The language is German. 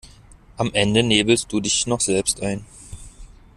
Am Ende nebelst du dich noch selbst ein.